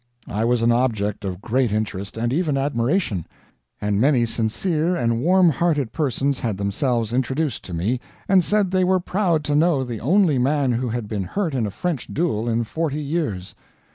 I was an object of great interest, and even admiration; and many sincere and warm hearted persons had themselves introduced to me, and said they were proud to know the only man who had been hurt in a French duel in forty years.